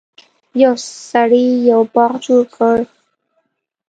یو سړي یو باغ جوړ کړ.